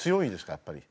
やっぱり。